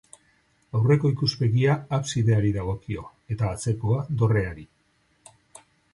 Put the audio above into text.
Aurreko ikuspegia absideari dagokio, eta atzekoa dorreari.